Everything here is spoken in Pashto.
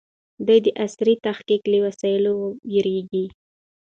دوی د عصري تحقيق له وسایلو وېرېږي.